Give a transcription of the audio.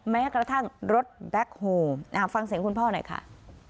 แม้กระทั่งรถแบ็คโฮมฟังเสียงคุณพ่อหน่อยค่ะ